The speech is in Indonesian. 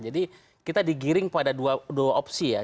jadi kita digiring pada dua opsi ya